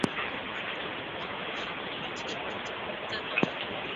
一些学者在阿拉伯南部的一些铭文中确定卡伊斯的事迹。